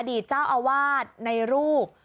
อดีตเจ้าอวาดในลูก